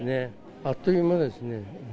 あっという間ですね。